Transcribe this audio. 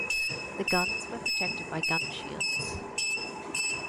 The guns were protected by gun shields.